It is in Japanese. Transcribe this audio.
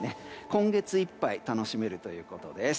今月いっぱい楽しめるということです。